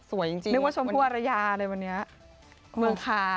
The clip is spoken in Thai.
สวยจริงนึกว่าชมทั่วอรยาเลยวันนี้เมืองทาง